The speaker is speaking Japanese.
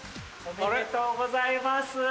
おめでとうございます。